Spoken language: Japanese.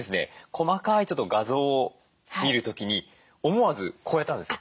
細かいちょっと画像を見る時に思わずこうやったんですよ。